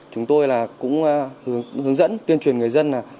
chúng tôi cũng hướng dẫn tuyên truyền người dân